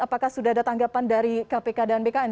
apakah sudah ada tanggapan dari kpk dan bkn